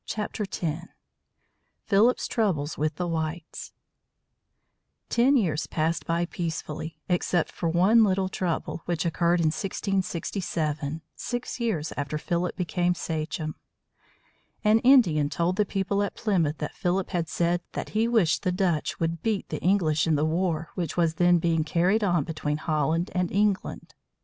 PHILIP'S TROUBLES WITH THE WHITES Ten years passed by peacefully, except for one little trouble, which occurred in 1667, six years after Philip became sachem. An Indian told the people at Plymouth that Philip had said that he wished the Dutch would beat the English in the war which was then being carried on between Holland and England.